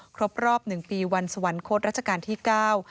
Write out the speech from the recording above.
ครบรอบหนึ่งปีวันสวรรคตรัชกาลที่เก้า